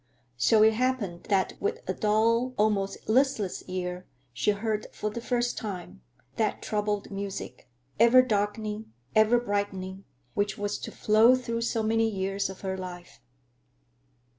So it happened that with a dull, almost listless ear she heard for the first time that troubled music, ever darkening, ever brightening, which was to flow through so many years of her life.